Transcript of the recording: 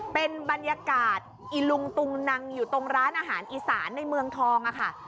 เป็นบรรยากาศอิลุงตุงนังอยู่ตรงร้านอาหารอีสานในเมืองทองค่ะ